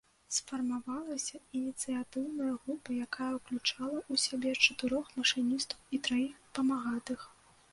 Сфармавалася ініцыятыўная група, якая ўключала ў сябе чатырох машыністаў і траіх памагатых.